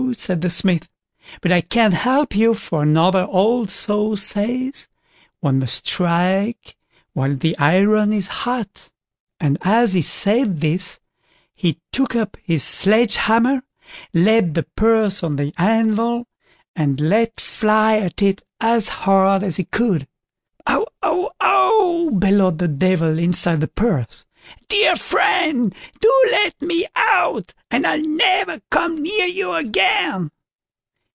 said the Smith; "but I can't help you, for another old saw says, 'one must strike while the iron is hot'"; and as he said this, he took up his sledge hammer, laid the purse on the anvil, and let fly at it as hard as he could. "AU! AU! AU!" bellowed the Devil, inside the purse. "Dear friend, do let me out, and I'll never come near you again."